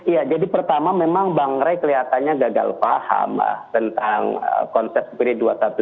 ya jadi pertama memang bang rey kelihatannya gagal paham tentang konsep spd dua ratus dua belas